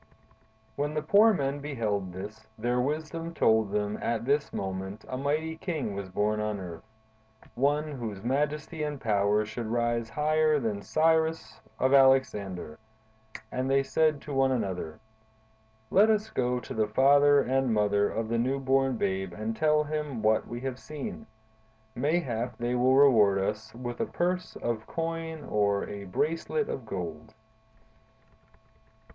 "When the poor men beheld this, their wisdom told them that at this moment a mighty king was born on earth: one, whose majesty and power should rise higher than that of Cyrus or of Alexander; and they said to one another: 'Let us go to the father and mother of the new born babe and tell them what we have seen! Mayhap they will reward us with a purse of coin or a bracelet of gold.